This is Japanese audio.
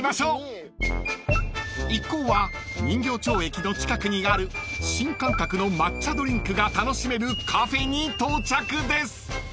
［一行は人形町駅の近くにある新感覚の抹茶ドリンクが楽しめるカフェに到着です］